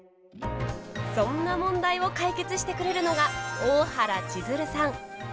そんな問題を解決してくれるのが大原千鶴さん。